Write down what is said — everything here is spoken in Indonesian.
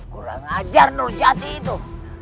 kurang ajar nu jati itu